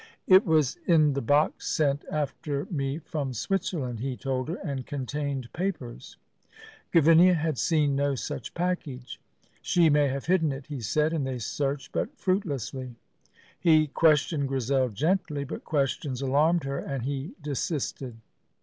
"It was in the box sent after me from Switzerland," he told her, "and contained papers." Gavinia had seen no such package. "She may have hidden it," he said, and they searched, but fruitlessly. He questioned Grizel gently, but questions alarmed her, and he desisted.